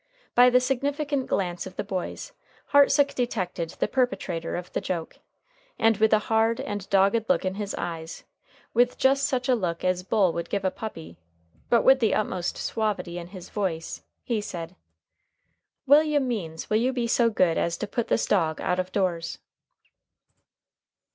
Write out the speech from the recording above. By the significant glances of the boys, Hartsook detected the perpetrator of the joke, and with the hard and dogged look in his eyes, with just such a look as Bull would give a puppy, but with the utmost suavity in his voice, he said: "William Means, will you be so good as to put this dog out of doors?"